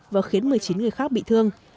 và khiến một mươi chín người khác bị thương